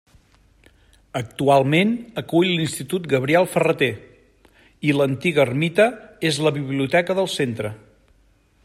Actualment acull l'Institut Gabriel Ferrater i l'antiga ermita és la biblioteca del centre.